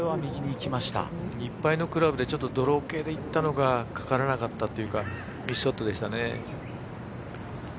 いっぱいのクラブで、ちょっとドロー系でいったのがかからなかったというかミスショットでしたね。